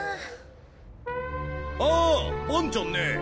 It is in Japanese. ああ伴ちゃんね。